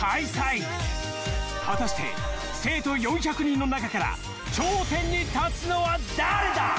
［果たして生徒４００人の中から頂点に立つのは誰だ］